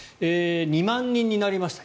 ２万人になりました。